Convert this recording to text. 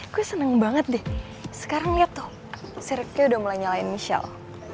gue seneng banget deh sekarang liat tuh si ripki udah mulai nyalain michelle